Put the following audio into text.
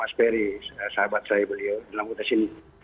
agak berbeda dengan mas ferry sahabat saya beliau yang dalam kota sini